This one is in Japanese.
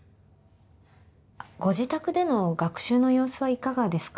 ご自宅での学習の様子はいかがですか？